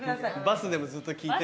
バスでもずっと聞いてて。